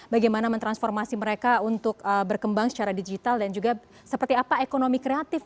bagaimana mentransformasi mereka untuk berkembang secara digital dan juga seperti apa ekonomi kreatif